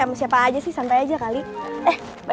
ini makasih oduhurannya favourit saya